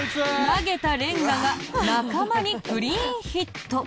投げたレンガが仲間にクリーンヒット！